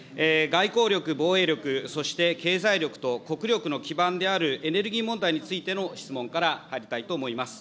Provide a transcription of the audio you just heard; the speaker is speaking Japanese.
外交力、防衛力、そして経済力と国力の基盤であるエネルギー問題の質問から入りたいと思います。